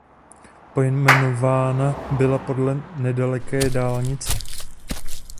Pojmenována byla podle nedaleké dálnice.